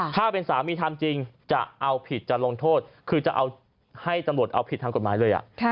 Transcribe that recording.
ถ้าเป็นสามีทำจริงจะเอาผิดจะลงโทษคือจะเอาให้ตำรวจเอาผิดทางกฎหมายเลย